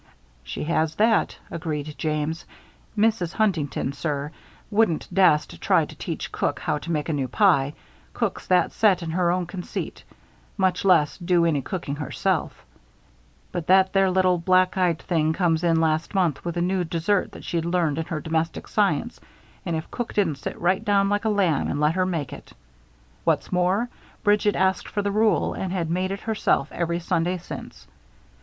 "She has that," agreed James. "Mrs. Huntington, sir, wouldn't dast try to teach cook how to make a new pie, cook's that set in her own conceit, much less do any cooking herself; but that there little black eyed thing comes in last month with a new dessert that she'd learned in her Domestic Science, and if cook didn't sit right down like a lamb and let her make it. What's more, Bridget asked for the rule and has made it herself every Sunday since.